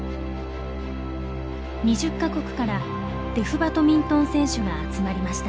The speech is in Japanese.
２０か国からデフバドミントン選手が集まりました。